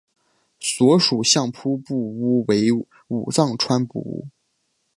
所属相扑部屋为武藏川部屋。